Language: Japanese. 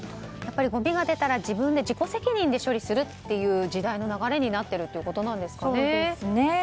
ごみが出たら自分で自己責任で処理するという時代の流れになっているということなんですかね。